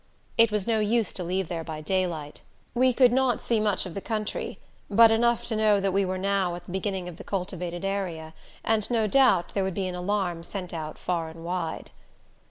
It was no use to leave there by daylight. We could not see much of the country, but enough to know that we were now at the beginning of the cultivated area, and no doubt there would be an alarm sent out far and wide.